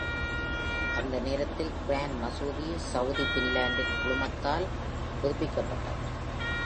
அந்த நேரத்தில் கிராண்ட் மசூதி, சவுதி பின்லாடின் குழுமத்தால் புதுப்பிக்கப்பட்டது.